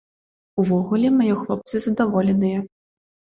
Увогуле, мае хлопцы задаволеныя.